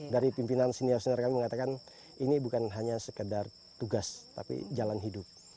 dari pimpinan senior senior kami mengatakan ini bukan hanya sekedar tugas tapi jalan hidup